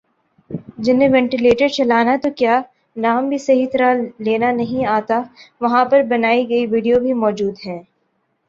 جنہیں وینٹیلیٹر چلانا تو کیا نام بھی صحیح طرح لینا نہیں آتا وہاں پر بنائی گئی ویڈیو بھی موجود ہیں